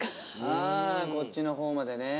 ああこっちの方までね。